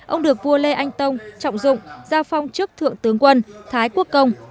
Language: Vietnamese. ông được vua lê anh tông trọng dụng ra phong trước thượng tướng quân thái quốc công